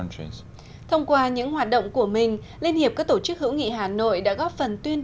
thông qua những hoạt động của mình liên hiệp các tổ chức hữu nghị hà nội đã góp phần tuyên